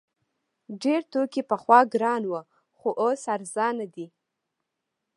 ډیر توکي پخوا ګران وو خو اوس ارزانه دي.